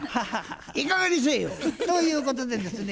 いいかげんにせえよ！ということでですね